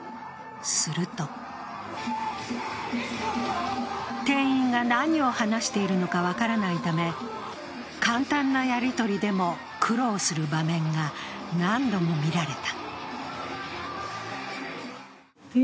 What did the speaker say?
すると店員が何を話しているのか分からないため、簡単なやり取りでも苦労する場面が何度も見られた。